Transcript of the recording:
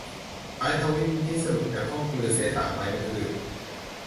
สายทวีตนี้สรุปจากห้อง กรือเซะ ตากใบ เมื่อคืน